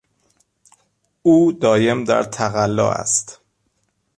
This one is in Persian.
او دایم در تقلا است.